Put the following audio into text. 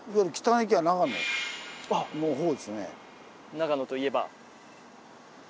長野といえば。